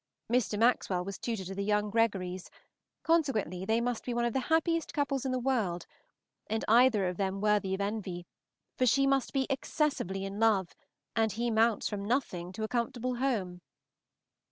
Mr. Maxwell was tutor to the young Gregorys, consequently, they must be one of the happiest couples in the world, and either of them worthy of envy, for she must be excessively in love, and he mounts from nothing to a comfortable home.